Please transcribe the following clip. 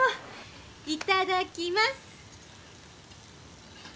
いただきます！